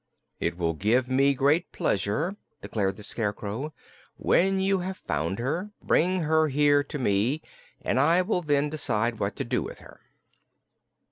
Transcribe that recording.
"It will give me great pleasure," declared the Scarecrow. "When you have found her, bring her here to me, and I will then decide what to do with her."